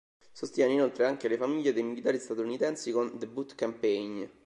Sostiene inoltre anche le famiglie dei militari statunitensi con The Boot Campaign.